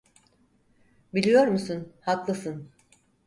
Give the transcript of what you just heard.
Biliyor musun, haklısın.